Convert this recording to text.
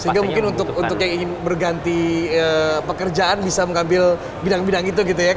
sehingga mungkin untuk yang ingin berganti pekerjaan bisa mengambil bidang bidang itu gitu ya